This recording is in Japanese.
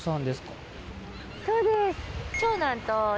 そうです。